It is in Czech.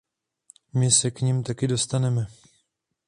my se k nim taky dostaneme